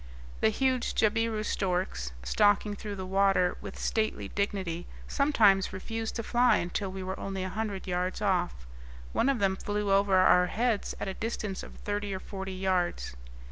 The huge jabiru storks, stalking through the water with stately dignity, sometimes refused to fly until we were only a hundred yards off; one of them flew over our heads at a distance of thirty or forty yards.